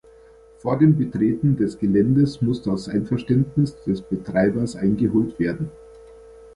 Vor dem Betreten des Geländes muss das Einverständnis des Betreibers eingeholt werden.